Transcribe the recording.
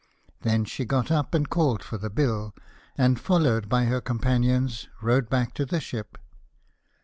Then she got up and called for the bill, and followed by her companions, rowed back to the ship.